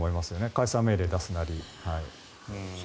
解散命令を出すなり。